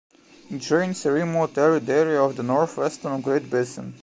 It drains a remote arid area of the northwestern Great Basin.